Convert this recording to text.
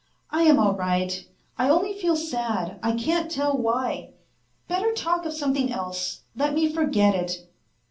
"I am all right, I only feel sad, I can't tell why. Better talk of something else ; let me forget it."